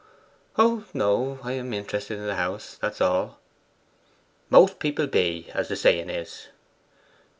'Oh no; I am interested in the house, that's all.' 'Most people be, as the saying is.